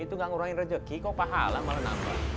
itu gak ngurangin rezeki kok pahala malah nampak